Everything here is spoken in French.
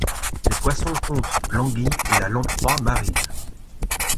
Les poissons comptent l'Anguille et la Lamproie marine.